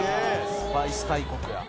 「スパイス大国や」